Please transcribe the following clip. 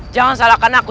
jangan salahkan aku